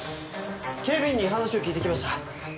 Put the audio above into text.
警備員に話を聞いてきました。